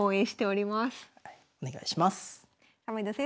お願いします。